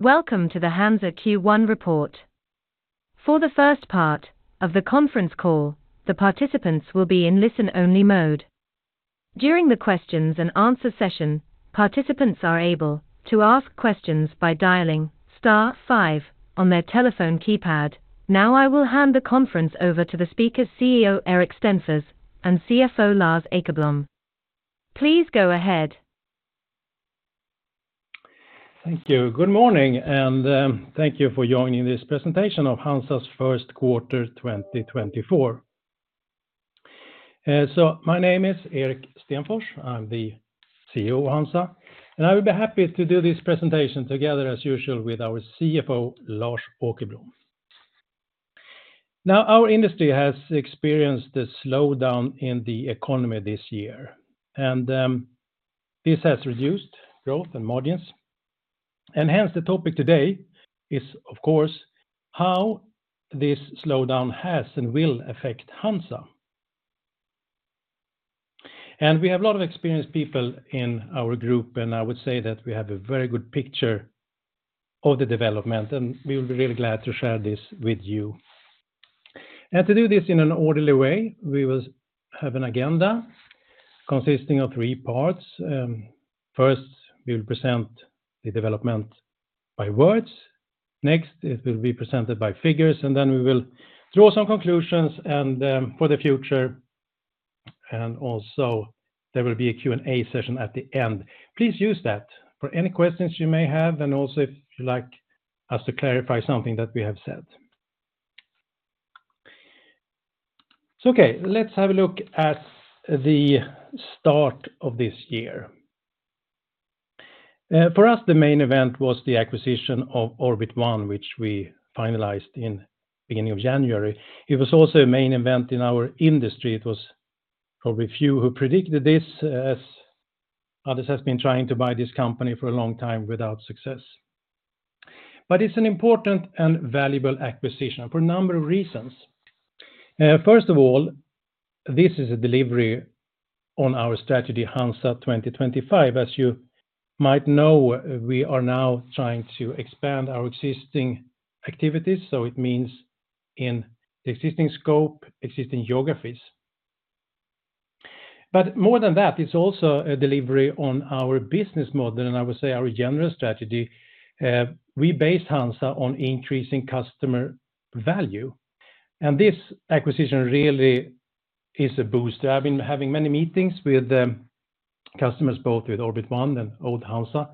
Welcome to the HANZA Q1 report. For the first part of the conference call, the participants will be in listen-only mode. During the questions and answer session, participants are able to ask questions by dialing star five on their telephone keypad. Now, I will hand the conference over to the speakers, CEO Erik Stenfors, and CFO Lars Åkerblom. Please go ahead. Thank you. Good morning, and thank you for joining this presentation of HANZA's first quarter 2024. So my name is Erik Stenfors, I'm the CEO of HANZA, and I will be happy to do this presentation together, as usual, with our CFO, Lars Åkerblom. Now, our industry has experienced a slowdown in the economy this year, and this has reduced growth and margins. Hence, the topic today is, of course, how this slowdown has and will affect HANZA. We have a lot of experienced people in our group, and I would say that we have a very good picture of the development, and we will be really glad to share this with you. To do this in an orderly way, we will have an agenda consisting of three parts. First, we will present the development by words. Next, it will be presented by figures, and then we will draw some conclusions and for the future, and also there will be a Q&A session at the end. Please use that for any questions you may have and also if you'd like us to clarify something that we have said. Okay, let's have a look at the start of this year. For us, the main event was the acquisition of Orbit One, which we finalized in beginning of January. It was also a main event in our industry. It was probably a few who predicted this, as others have been trying to buy this company for a long time without success. But it's an important and valuable acquisition for a number of reasons. First of all, this is a delivery on our strategy, HANZA 2025. As you might know, we are now trying to expand our existing activities, so it means in the existing scope, existing geographies. But more than that, it's also a delivery on our business model, and I would say our general strategy. We based HANZA on increasing customer value, and this acquisition really is a booster. I've been having many meetings with customers, both with Orbit One and old HANZA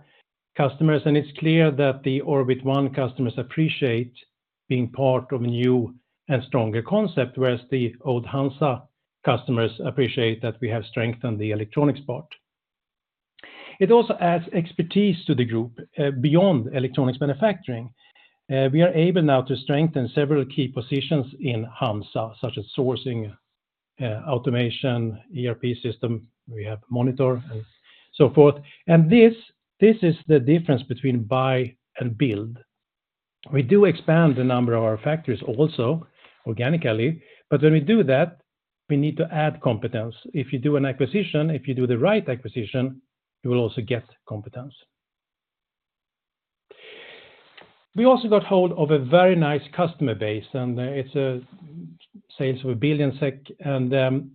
customers, and it's clear that the Orbit One customers appreciate being part of a new and stronger concept, whereas the old HANZA customers appreciate that we have strengthened the electronics part. It also adds expertise to the group, beyond electronics manufacturing. We are able now to strengthen several key positions in HANZA, such as sourcing, automation, ERP system. We have Monitor and so forth. And this, this is the difference between buy and build. We do expand the number of our factories also organically, but when we do that, we need to add competence. If you do an acquisition, if you do the right acquisition, you will also get competence. We also got hold of a very nice customer base, and it's sales of SEK 1 billion, and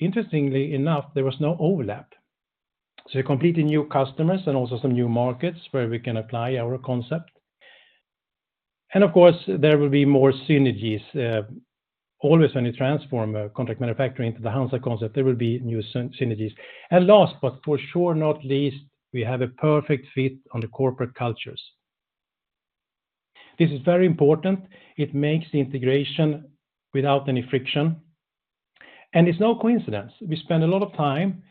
interestingly enough, there was no overlap. So completely new customers and also some new markets where we can apply our concept. And of course, there will be more synergies. Always when you transform a contract manufacturing to the HANZA concept, there will be new synergies. And last, but for sure, not least, we have a perfect fit on the corporate cultures. This is very important. It makes the integration without any friction, and it's no coincidence. We spend a lot of time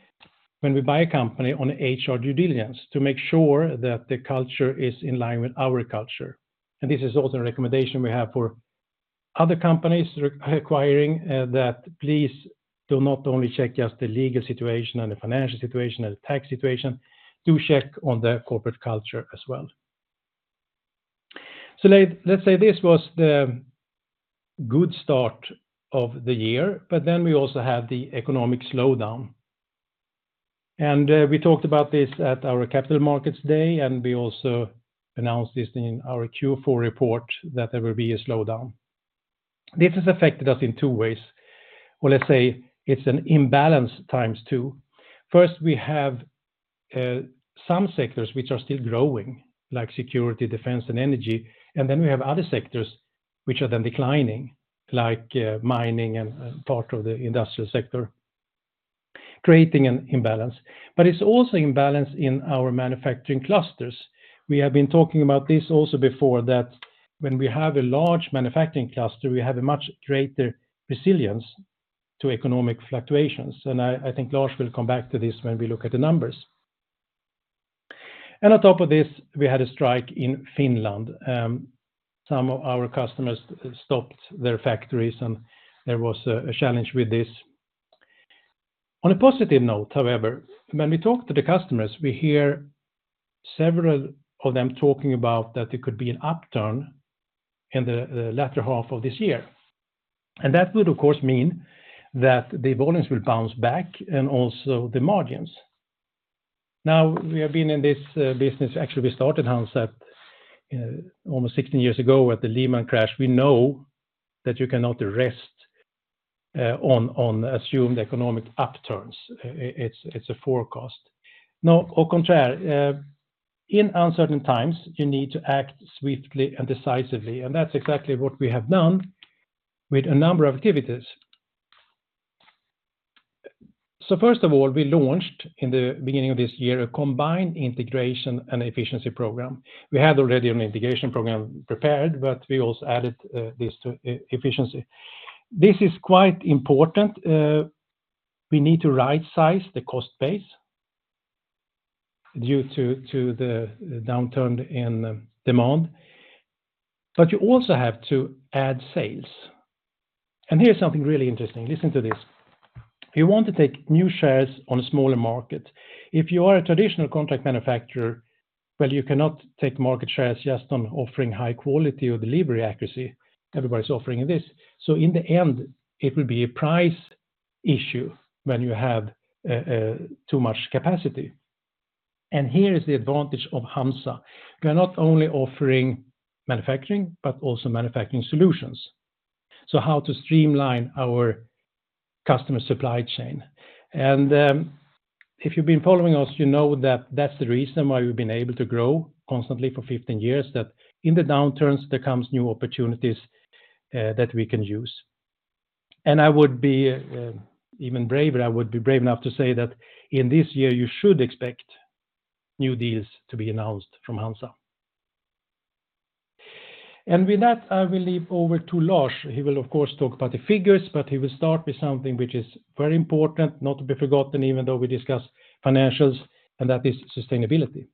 when we buy a company on HR due diligence to make sure that the culture is in line with our culture. And this is also a recommendation we have for other companies regarding acquiring, that please do not only check just the legal situation and the financial situation and the tax situation, do check on the corporate culture as well. So let's say this was the good start of the year, but then we also have the economic slowdown. And we talked about this at our Capital Markets Day, and we also announced this in our Q4 report that there will be a slowdown. This has affected us in two ways, or let's say it's an imbalance times two. First, we have some sectors which are still growing, like security, defense, and energy, and then we have other sectors which are then declining, like mining and part of the industrial sector, creating an imbalance. But it's also imbalance in our manufacturing clusters. We have been talking about this also before, that when we have a large manufacturing cluster, we have a much greater resilience to economic fluctuations, and I think Lars will come back to this when we look at the numbers. And on top of this, we had a strike in Finland. Some of our customers stopped their factories, and there was a challenge with this. On a positive note, however, when we talk to the customers, we hear several of them talking about that there could be an upturn in the latter half of this year. And that would, of course, mean that the volumes will bounce back and also the margins. Now, we have been in this business, actually, we started HANZA almost 16 years ago with the Lehman crash. We know that you cannot rest on assumed economic upturns. It's a forecast. Now, au contraire, in uncertain times, you need to act swiftly and decisively, and that's exactly what we have done with a number of activities. So first of all, we launched, in the beginning of this year, a combined integration and efficiency program. We had already an integration program prepared, but we also added this to efficiency. This is quite important. We need to rightsize the cost base due to the downturn in demand, but you also have to add sales. And here's something really interesting. Listen to this. You want to take new shares on a smaller market. If you are a traditional contract manufacturer, well, you cannot take market shares just on offering high quality or delivery accuracy. Everybody's offering this. So in the end, it will be a price issue when you have too much capacity. And here is the advantage of HANZA. We are not only offering manufacturing, but also manufacturing solutions, so how to streamline our customer supply chain. And if you've been following us, you know that that's the reason why we've been able to grow constantly for 15 years, that in the downturns there comes new opportunities that we can use. And I would be even braver. I would be brave enough to say that in this year you should expect new deals to be announced from HANZA. And with that, I will leave over to Lars. He will, of course, talk about the figures, but he will start with something which is very important, not to be forgotten, even though we discuss financials, and that is sustainability.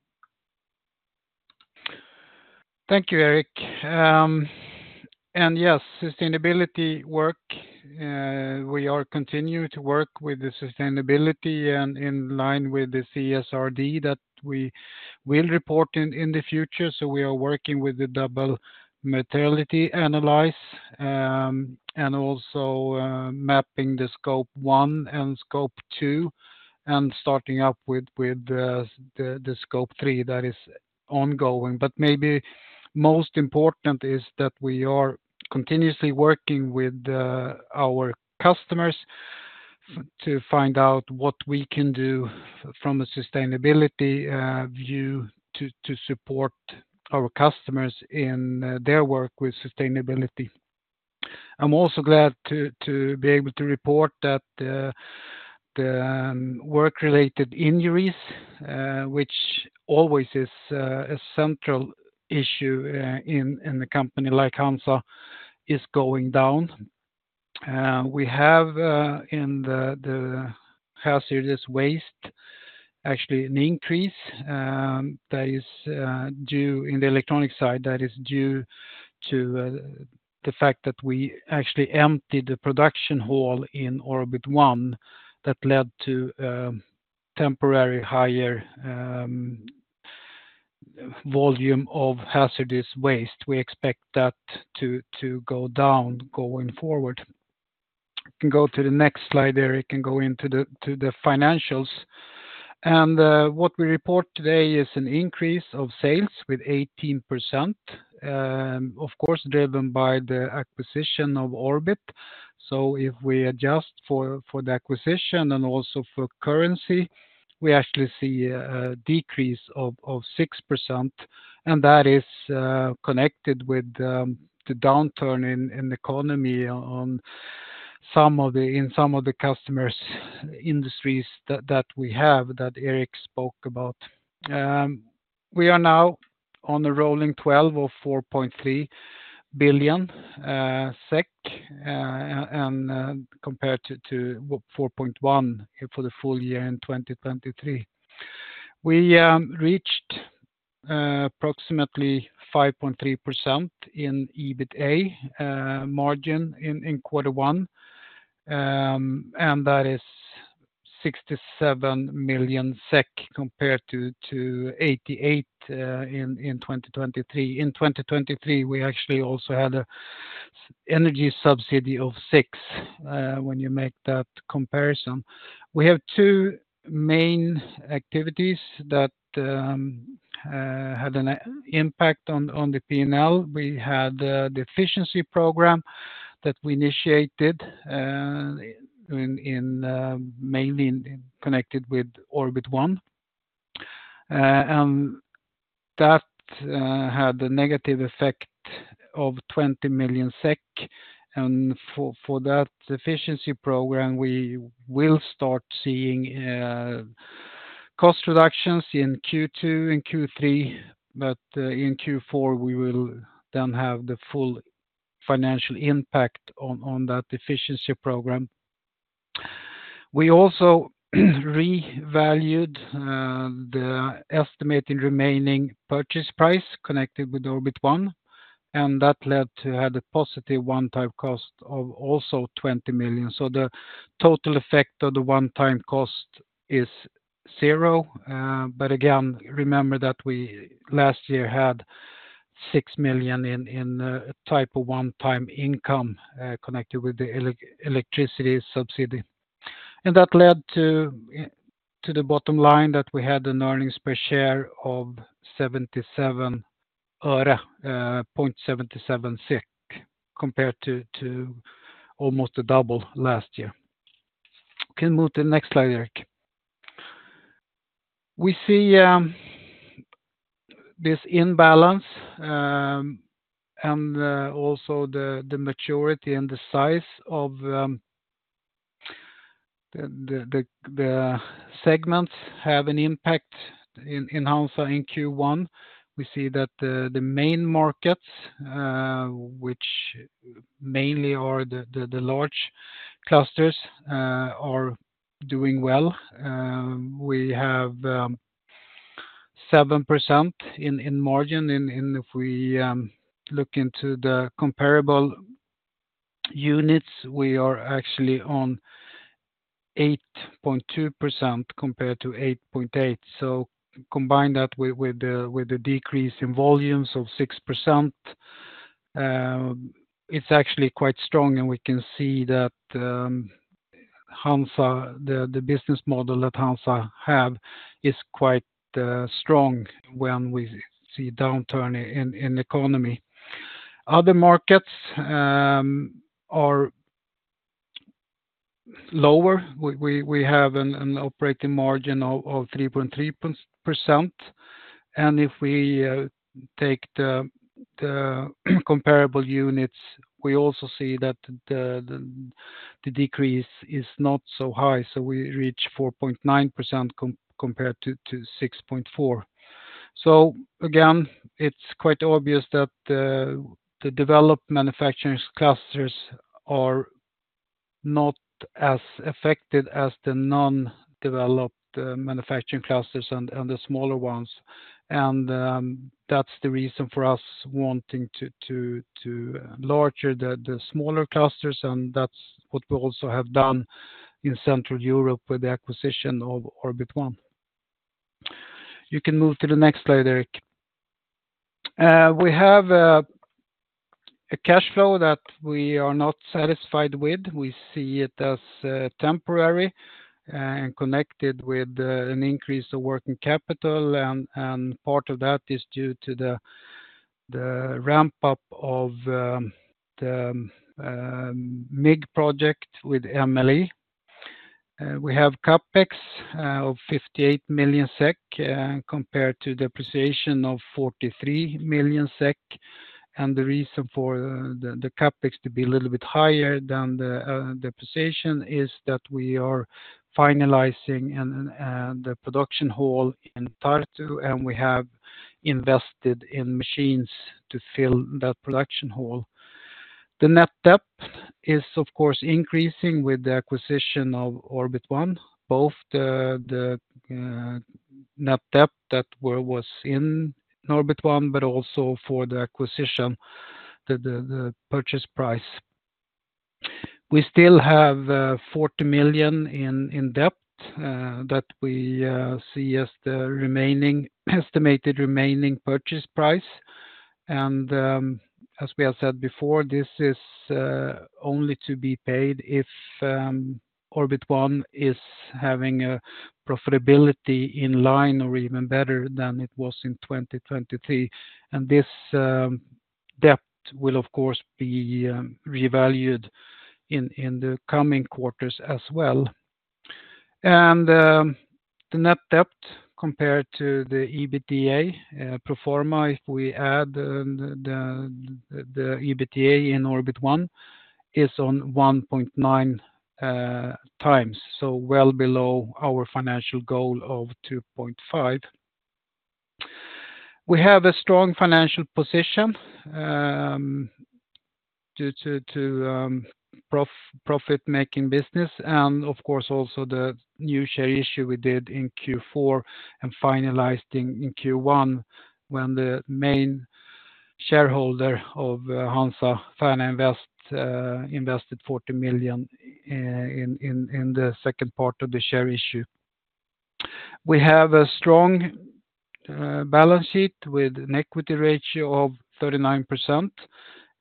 Thank you, Erik. Yes, sustainability work. We are continuing to work with the sustainability and in line with the CSRD that we will report in the future. So we are working with the double materiality analysis, and also mapping the scope one and scope two, and starting up with the scope three that is ongoing. But maybe most important is that we are continuously working with our customers to find out what we can do from a sustainability view, to support our customers in their work with sustainability. I'm also glad to be able to report that the work-related injuries, which always is a central issue in a company like HANZA, is going down. We have, in the hazardous waste, actually an increase, that is due in the electronic side, that is due to the fact that we actually emptied the production hall in Orbit One, that led to temporary higher volume of hazardous waste. We expect that to go down going forward. You can go to the next slide, Erik, and go into the financials. What we report today is an increase of sales with 18%, of course, driven by the acquisition of Orbit. So if we adjust for the acquisition and also for currency, we actually see a decrease of 6%, and that is connected with the downturn in economy on some of the customers' industries that we have, that Erik spoke about. We are now on a rolling twelve of 4.3 billion SEK and compared to 4.1 billion for the full year in 2023. We reached approximately 5.3% in EBITA margin in quarter one, and that is 67 million SEK compared to 88 million in 2023. In 2023, we actually also had an energy subsidy of 6 million when you make that comparison. We have two main activities that had an impact on the P&L. We had the efficiency program that we initiated mainly in connection with Orbit One, and that had a negative effect of 20 million SEK. And for that efficiency program, we will start seeing cost reductions in Q2 and Q3, but in Q4, we will then have the full financial impact on that efficiency program. We also revalued the estimated remaining purchase price connected with Orbit One, and that led to have a positive one-time cost of also 20 million. So the total effect of the one-time cost is zero. But again, remember that we last year had 6 million in a type of one-time income connected with the electricity subsidy. And that led to the bottom line, that we had an earnings per share of 77 öre, 0.77 SEK, compared to almost double last year. You can move to the next slide, Erik. We see this imbalance, and also the maturity and the size of the segments have an impact in HANZA in Q1. We see that the main markets, which mainly are the large clusters, are doing well. We have 7% in margin. And if we look into the comparable units, we are actually on 8.2% compared to 8.8%. So combine that with the decrease in volumes of 6%, it's actually quite strong, and we can see that HANZA, the business model that HANZA have is quite strong when we see downturn in economy. Other markets are lower. We have an operating margin of 3.3%, and if we take the comparable units, we also see that the decrease is not so high, so we reach 4.9% compared to 6.4%. So again, it's quite obvious that the developed manufacturing clusters are not as affected as the non-developed manufacturing clusters and the smaller ones. And that's the reason for us wanting to larger the smaller clusters, and that's what we also have done in Central Europe with the acquisition of Orbit One. You can move to the next slide, Erik. We have a cash flow that we are not satisfied with. We see it as temporary and connected with an increase of working capital, and part of that is due to the ramp-up of the MIG project with MLE. We have CapEx of 58 million SEK compared to depreciation of 43 million SEK, and the reason for the CapEx to be a little bit higher than the depreciation is that we are finalizing the production hall in Tartu, and we have invested in machines to fill that production hall. The net debt is, of course, increasing with the acquisition of Orbit One, both the net debt that was in Orbit One, but also for the acquisition, the purchase price. We still have 40 million in debt that we see as the remaining, estimated remaining purchase price. As we have said before, this is only to be paid if Orbit One is having a profitability in line or even better than it was in 2023. This debt will, of course, be revalued in the coming quarters as well. The net debt compared to the EBITDA pro forma, if we add the EBITDA in Orbit One, is 1.9x, so well below our financial goal of 2.5x. We have a strong financial position due to profit-making business and, of course, also the new share issue we did in Q4 and finalized in Q1, when the main shareholder of HANZA, Färna Invest, invested 40 million in the second part of the share issue. We have a strong balance sheet with an equity ratio of 39%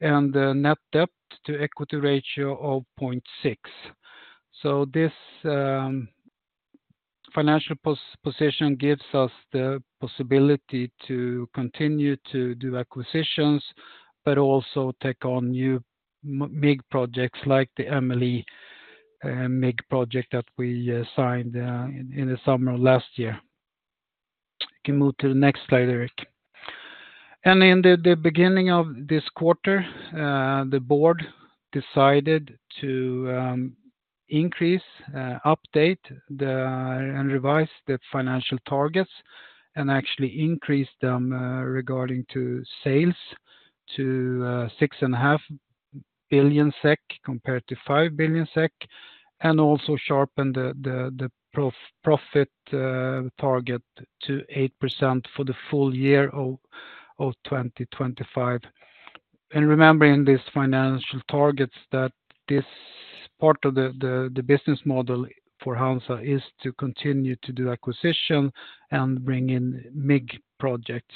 and a net debt to equity ratio of 0.6x. So this financial position gives us the possibility to continue to do acquisitions, but also take on new MIG projects like the MLE MIG project that we signed in the summer of last year. You can move to the next slide, Erik. And in the beginning of this quarter, the board decided to increase, update, and revise the financial targets, and actually increase them regarding to sales to 6.5 billion SEK compared to 5 billion SEK, and also sharpen the profit target to 8% for the full year of 2025. Remembering these financial targets that this part of the business model for HANZA is to continue to do acquisition and bring in MIG projects.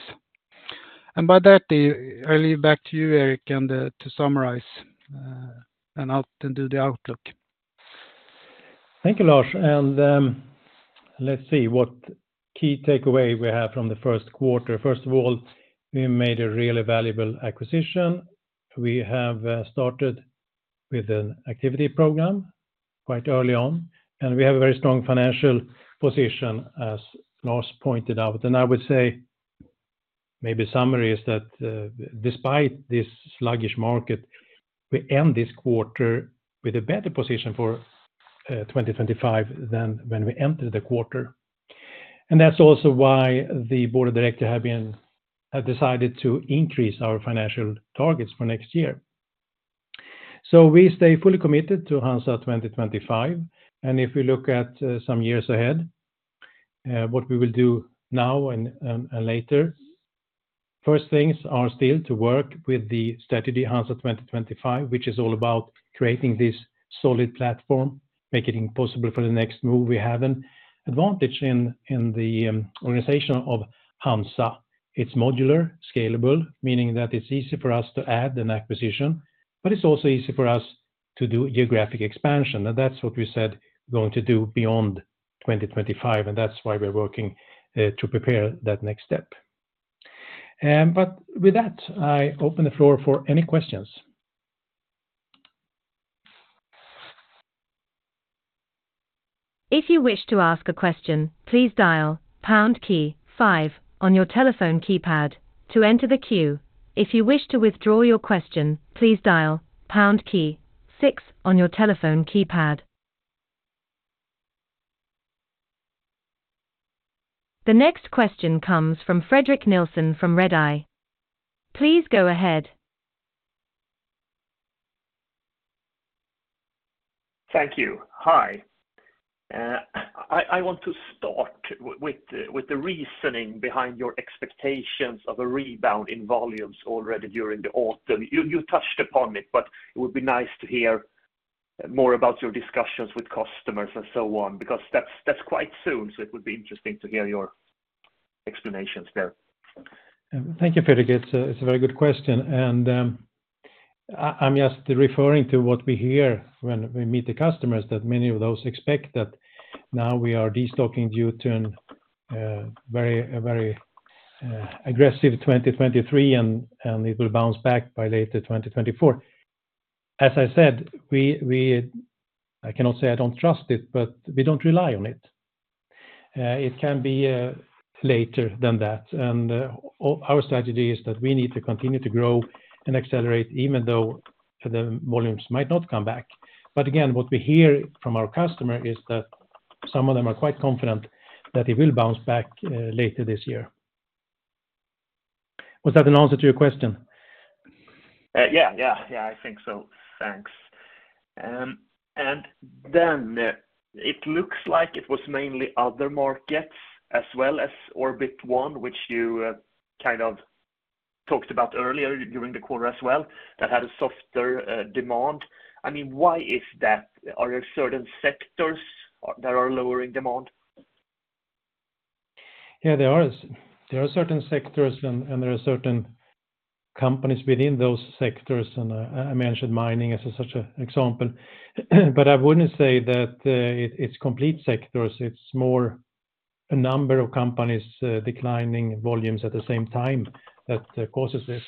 By that, I hand back to you, Erik, to summarize and do the outlook. Thank you, Lars. And, let's see what key takeaway we have from the first quarter. First of all, we made a really valuable acquisition. We have started with an activity program quite early on, and we have a very strong financial position, as Lars pointed out. And I would say, maybe summary is that, despite this sluggish market, we end this quarter with a better position for 2025 than when we entered the quarter. And that's also why the Board of Directors have decided to increase our financial targets for next year. So we stay fully committed to HANZA 2025, and if we look at some years ahead, what we will do now and later, first things are still to work with the strategy HANZA 2025, which is all about creating this solid platform, making it possible for the next move. We have an advantage in the organization of HANZA. It's modular, scalable, meaning that it's easy for us to add an acquisition, but it's also easy for us to do geographic expansion. And that's what we said we're going to do beyond 2025, and that's why we're working to prepare that next step. But with that, I open the floor for any questions. If you wish to ask a question, please dial pound key five on your telephone keypad to enter the queue. If you wish to withdraw your question, please dial pound key six on your telephone keypad. The next question comes from Fredrik Nilsson from Redeye. Please go ahead. Thank you. Hi. I want to start with the reasoning behind your expectations of a rebound in volumes already during the autumn. You touched upon it, but it would be nice to hear more about your discussions with customers and so on, because that's quite soon, so it would be interesting to hear your explanations there. Thank you, Fredrik. It's a very good question. I'm just referring to what we hear when we meet the customers, that many of those expect that now we are destocking due to a very aggressive 2023, and it will bounce back by later 2024. As I said, I cannot say I don't trust it, but we don't rely on it. It can be later than that. Our strategy is that we need to continue to grow and accelerate, even though the volumes might not come back. But again, what we hear from our customer is that some of them are quite confident that it will bounce back later this year. Was that an answer to your question? Yeah, yeah, yeah, I think so. Thanks. And then, it looks like it was mainly other markets as well as Orbit One, which you kind of talked about earlier during the quarter as well, that had a softer demand. I mean, why is that? Are there certain sectors that are lowering demand? Yeah, there are certain sectors and, and there are certain companies within those sectors, and I mentioned mining as such an example. But I wouldn't say that it's complete sectors. It's more a number of companies declining volumes at the same time that causes this.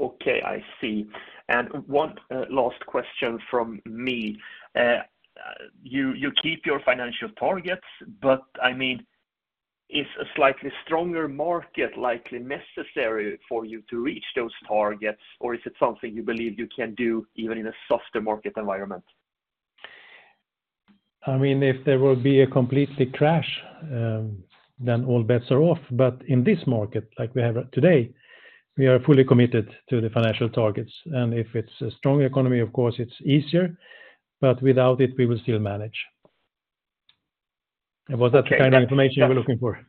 Okay, I see. And one last question from me. You keep your financial targets, but I mean, is a slightly stronger market likely necessary for you to reach those targets, or is it something you believe you can do even in a softer market environment? I mean, if there will be a complete crash, then all bets are off. But in this market, like we have today, we are fully committed to the financial targets. And if it's a strong economy, of course, it's easier, but without it, we will still manage. And was that the kind of information you were looking for?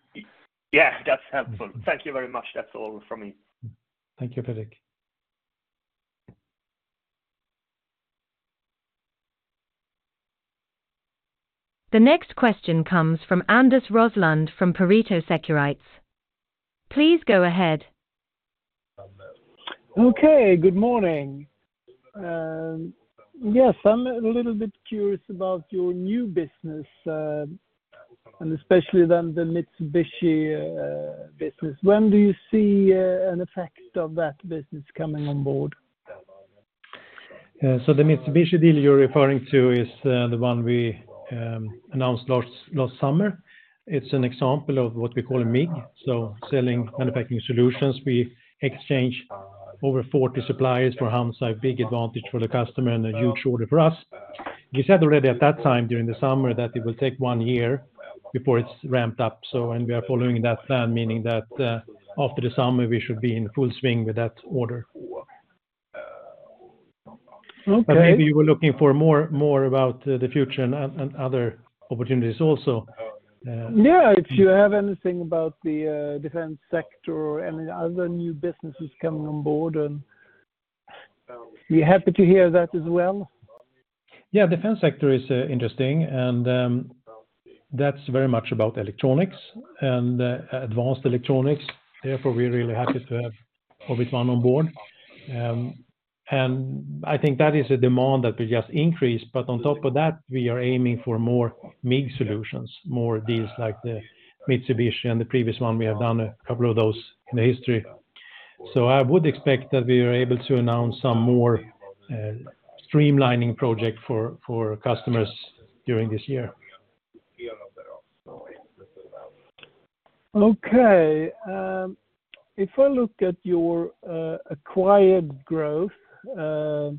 Yeah, that's helpful. Thank you very much. That's all from me. Thank you, Fredrik. The next question comes from Anders Roslund from Pareto Securities. Please go ahead. Okay, good morning. Yes, I'm a little bit curious about your new business, and especially then the Mitsubishi business. When do you see an effect of that business coming on board? So the Mitsubishi deal you're referring to is the one we announced last summer. It's an example of what we call a MIG, so selling manufacturing solutions. We exchange over 40 suppliers for HANZA, a big advantage for the customer and a huge order for us. We said already at that time, during the summer, that it will take one year before it's ramped up. So and we are following that plan, meaning that after the summer, we should be in full swing with that order. But maybe you were looking for more about the future and other opportunities also. Yeah, if you have anything about the defense sector or any other new businesses coming on board, and we're happy to hear that as well. Yeah, defense sector is interesting, and that's very much about electronics and advanced electronics. Therefore, we're really happy to have Orbit One on board. And I think that is a demand that will just increase. But on top of that, we are aiming for more MIG solutions, more deals like the Mitsubishi and the previous one. We have done a couple of those in the history. So I would expect that we are able to announce some more streamlining project for customers during this year. Okay, if I look at your acquired growth, that's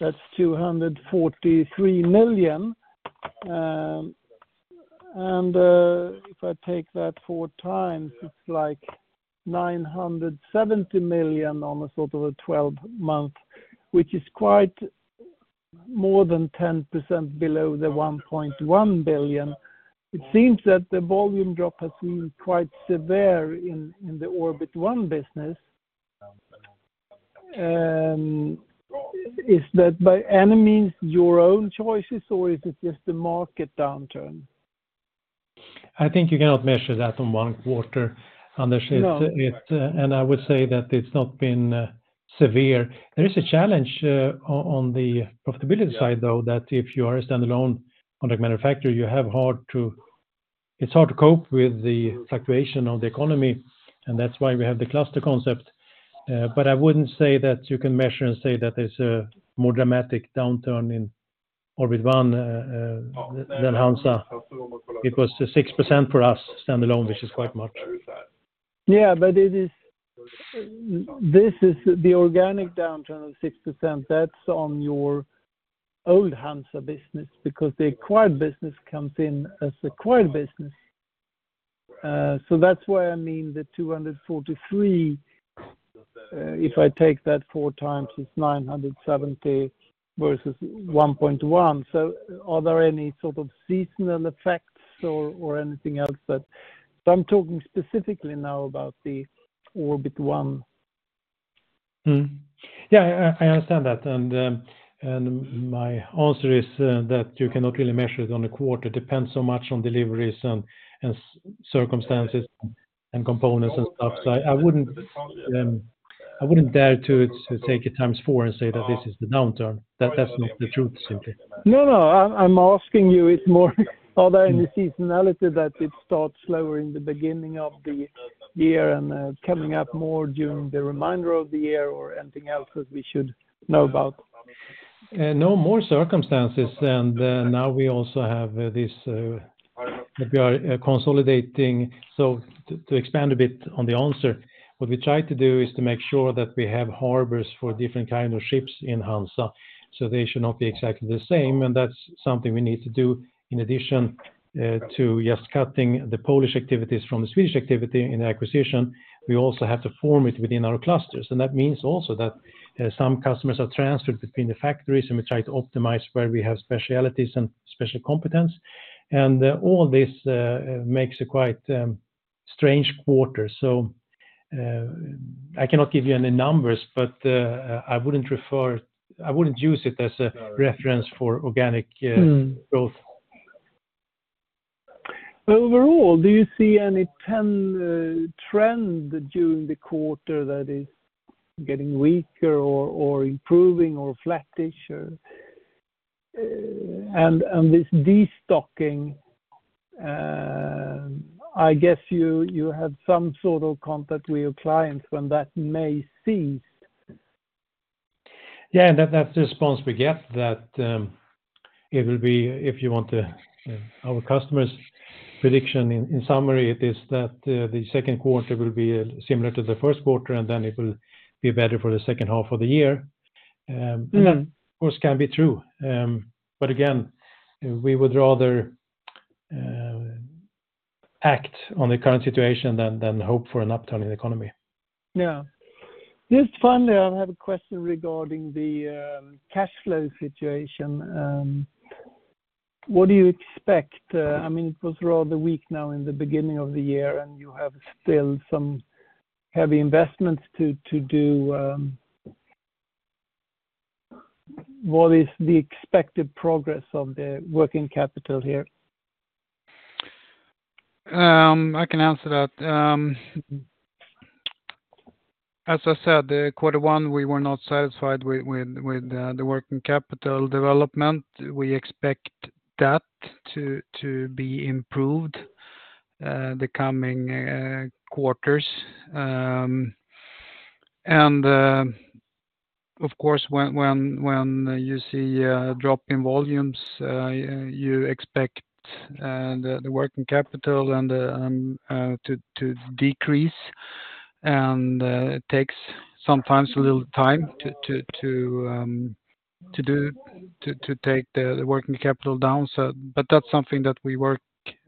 SEK 243 million. And if I take that 4x, it's like 970 million on a sort of a 12-month, which is quite more than 10% below the 1.1 billion. It seems that the volume drop has been quite severe in the Orbit One business. Is that by any means your own choices, or is it just the market downturn? I think you cannot measure that on one quarter, Anders. No. It's not been severe. There is a challenge on the profitability side, though, that if you are a standalone contract manufacturer, it's hard to cope with the fluctuation of the economy, and that's why we have the cluster concept. But I wouldn't say that you can measure and say that there's a more dramatic downturn in Orbit One than HANZA. It was 6% for us standalone, which is quite much. Yeah, but it is, this is the organic downturn of 6%. That's on your old HANZA business because the acquired business comes in as acquired business. So that's why, I mean, the 243 million, if I take that 4x, it's 970 million versus 1.1 billion. So are there any sort of seasonal effects or anything else that... So I'm talking specifically now about the Orbit One. Mm-hmm. Yeah, I understand that, and my answer is that you cannot really measure it on a quarter. Depends so much on deliveries and circumstances and components and stuff. So I wouldn't dare to take it times four and say that this is the downturn. That's not the truth, simply. No, no, I'm asking you, it's more, are there any seasonality that it starts slower in the beginning of the year and coming up more during the remainder of the year or anything else that we should know about? No more circumstances, and now we also have this, we are consolidating. So to expand a bit on the answer, what we try to do is to make sure that we have harbors for different kind of ships in HANZA, so they should not be exactly the same, and that's something we need to do. In addition, to just cutting the Polish activities from the Swedish activity in the acquisition, we also have to form it within our clusters. And that means also that some customers are transferred between the factories, and we try to optimize where we have specialties and special competence. And all this makes a quite strange quarter. So, I cannot give you any numbers, but I wouldn't refer-- I wouldn't use it as a reference for organic. Mm... growth. Overall, do you see any trend during the quarter that is getting weaker or improving or flattish, and this destocking? I guess you had some sort of contact with your clients when that may cease. Yeah, and that's the response we get, that it will be, if you want to, our customer's prediction. In summary, it is that the second quarter will be similar to the first quarter, and then it will be better for the second half of the year. Mm-hmm. Of course, can be true. But again, we would rather act on the current situation than hope for an upturn in the economy. Yeah. Just finally, I have a question regarding the cash flow situation. What do you expect? I mean, it was rather weak now in the beginning of the year, and you have still some heavy investments to do. What is the expected progress of the working capital here? I can answer that. As I said, the quarter one, we were not satisfied with the working capital development. We expect that to be improved the coming quarters. And of course, when you see a drop in volumes, you expect the working capital and to decrease. And it takes sometimes a little time to take the working capital down. But that's something that we work,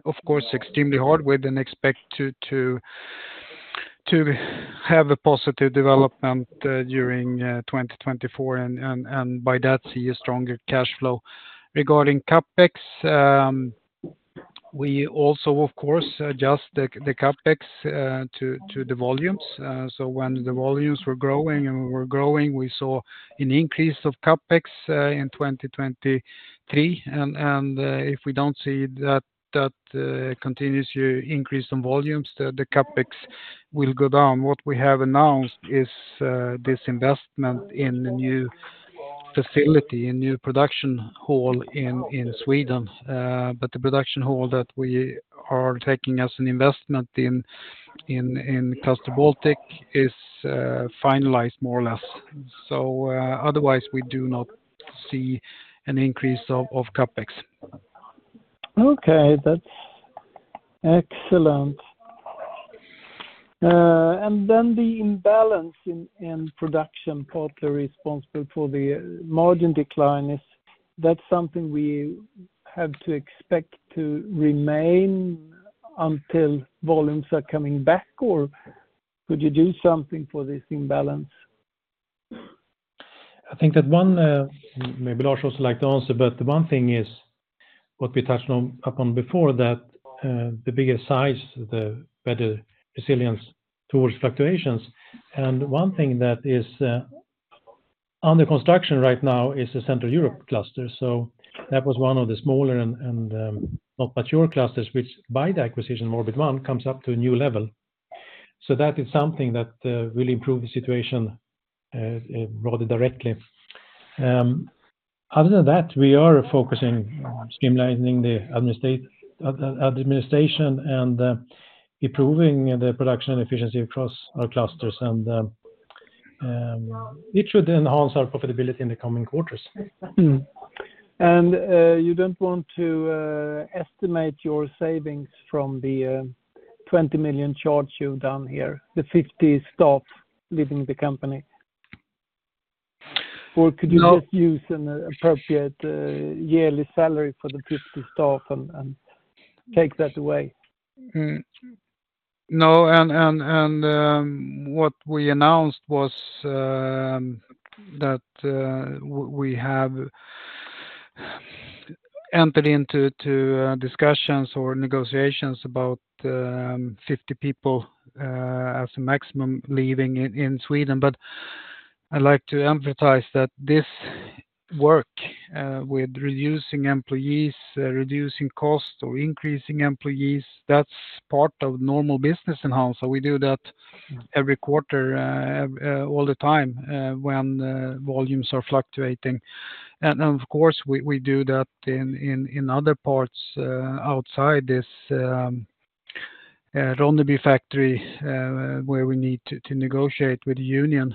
of course, extremely hard with and expect to have a positive development during 2024 and by that, see a stronger cash flow. Regarding CapEx, we also, of course, adjust the CapEx to the volumes. So when the volumes were growing and were growing, we saw an increase of CapEx in 2023. If we don't see that continues to increase on volumes, the CapEx will go down. What we have announced is this investment in the new facility, a new production hall in Sweden. But the production hall that we are taking as an investment in Cluster Baltic is finalized more or less. Otherwise, we do not see an increase of CapEx. Okay, that's excellent. And then the imbalance in production, partly responsible for the margin decline, is that something we have to expect to remain until volumes are coming back, or could you do something for this imbalance? I think that one, maybe Lars would like to answer, but the one thing is what we touched upon before, that the bigger size, the better resilience towards fluctuations. And one thing that is under construction right now is the Central Europe cluster. So that was one of the smaller and not mature clusters, which by the acquisition, more demand, comes up to a new level. So that is something that will improve the situation rather directly. Other than that, we are focusing on streamlining the administration and improving the production and efficiency across our clusters, and it should enhance our profitability in the coming quarters. You don't want to estimate your savings from the 20 million charge you've done here, the 50 staff leaving the company? Or could you just use an appropriate yearly salary for the 50 staff and take that away? No, what we announced was that we have entered into discussions or negotiations about 50 people, as a maximum, leaving in Sweden. But I'd like to emphasize that this work with reducing employees, reducing cost, or increasing employees, that's part of normal business enhancement. We do that every quarter, all the time, when the volumes are fluctuating. Of course, we do that in other parts, outside this Ronneby factory, where we need to negotiate with the union.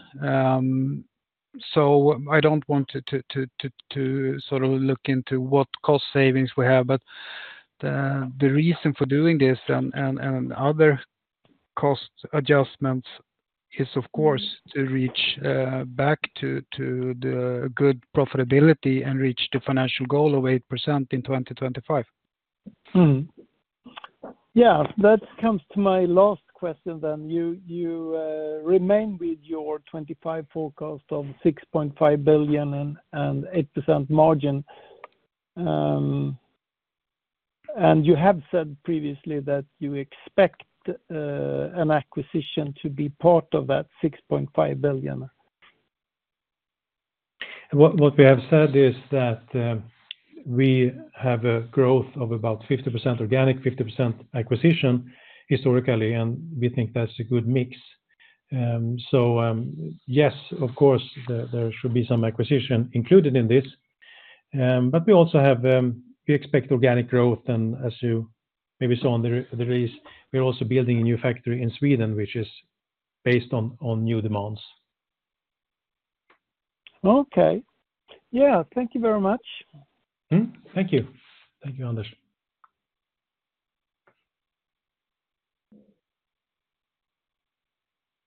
So I don't want to sort of look into what cost savings we have, but the reason for doing this and other cost adjustments is, of course, to reach back to the good profitability and reach the financial goal of 8% in 2025. Mm. Yeah, that comes to my last question then. You remain with your 25 forecast of 6.5 billion and 8% margin. And you have said previously that you expect an acquisition to be part of that 6.5 billion. What we have said is that we have a growth of about 50% organic, 50% acquisition historically, and we think that's a good mix. So, yes, of course, there should be some acquisition included in this, but we also have, we expect organic growth. And as you maybe saw on the release, we're also building a new factory in Sweden, which is based on new demands. Okay. Yeah, thank you very much. Mm-hmm. Thank you. Thank you, Anders.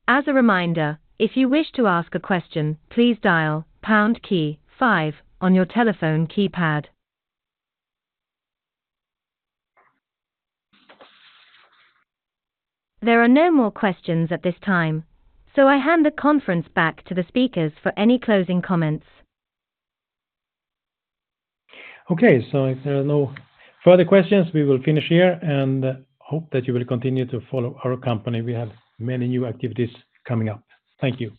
As a reminder, if you wish to ask a question, please dial pound key five on your telephone keypad. There are no more questions at this time, so I hand the conference back to the speakers for any closing comments. Okay, so if there are no further questions, we will finish here and hope that you will continue to follow our company. We have many new activities coming up. Thank you.